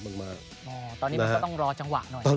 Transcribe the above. ตอนนี้มันก็ต้องรอจังหวะหน่อย